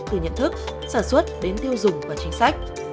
từ nhận thức sản xuất đến tiêu dùng và chính sách